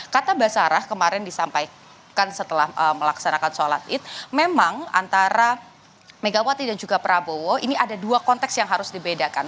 kata basarah kemarin disampaikan setelah melaksanakan sholat id memang antara megawati dan juga prabowo ini ada dua konteks yang harus dibedakan